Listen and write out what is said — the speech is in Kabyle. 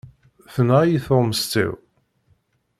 Tenɣa-iyi tuɣmest-iw.